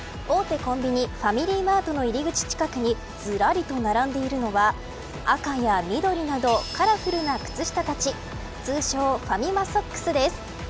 コンビニファミリーマートの入り口近くにずらりと並んでいるのは赤や緑などカラフルな靴下たち通称ファミマソックスです。